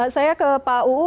saya ke pak uu